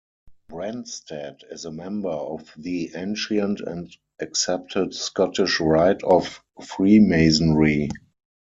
Branstad is a member of the Ancient and Accepted Scottish Rite of Freemasonry.